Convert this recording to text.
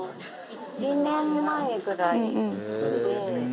１年前ぐらいで。